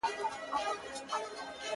د دوست دوست او د کافر دښمن دښمن یو٫